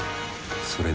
それで？